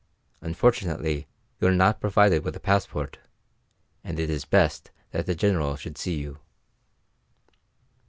Unfortunately you are not provided with a passport, and it is best that the General should see you."